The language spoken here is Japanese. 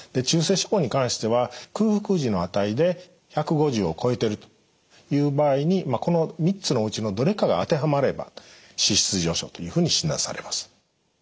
中性脂肪に関しては空腹時の値で１５０を超えてるという場合にこの３つのうちのどれかが当てはまれば脂質異常症というふうに診断されます。